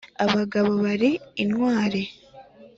Abagabo bari intwari